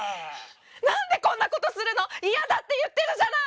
何でこんなことするの⁉嫌だって言ってるじゃない！